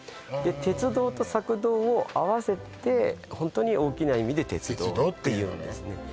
鉄道と索道を合わせてホントに大きな意味で鉄道っていうんですね